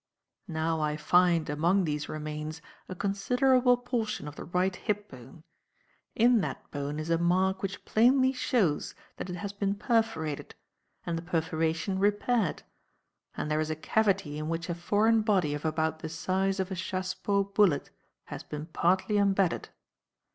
Now I find, among these remains, a considerable portion of the right hip bone. In that bone is a mark which plainly shows that it has been perforated and the perforation repaired, and there is a cavity in which a foreign body of about the size of a chassepot bullet has been partly embedded.